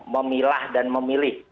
memilah dan memilih